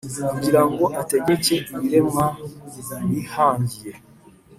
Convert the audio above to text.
kugira ngo ategeke ibiremwa wihangiye,